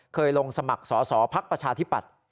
ขยลงสมัครสอสอพัฒประชาธิบดร์